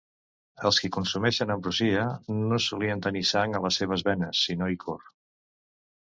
Els qui consumeixen ambrosia, no solien tenir sang a les seves venes, sinó icor.